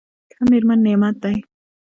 ښه مېرمن نعمت دی.